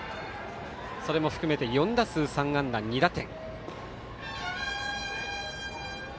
それも含めて４打数３安打２打点。